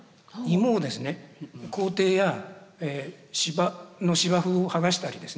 芋をですね校庭の芝生を剥がしたりですね